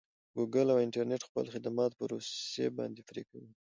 ګوګل او انټرنټ خپل خدمات په روسې باندې پري کوي.